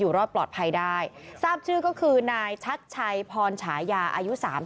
รอดปลอดภัยได้ทราบชื่อก็คือนายชัดชัยพรฉายาอายุ๓๐